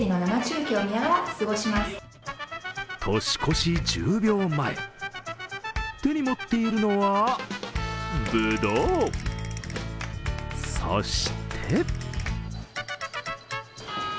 年越し１０秒前、手に持っているのは、ぶどう。